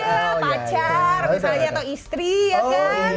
iya pacar misalnya atau istri ya kan